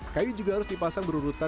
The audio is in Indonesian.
kayu juga harus dipasang berurutan